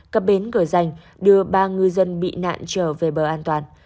cấp bến cửa danh đưa ba ngư dân bị nạn trở về bờ an toàn